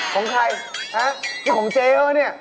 ของใครฮะคือของเจ๊หรือนี่